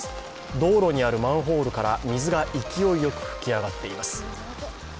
道路にあるマンホールから水が勢いよく噴き上がっています。